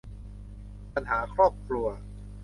ปัญหาครอบครัว